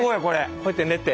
こうやって寝て？